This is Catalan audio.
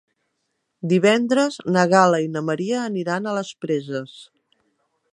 Divendres na Gal·la i na Maria aniran a les Preses.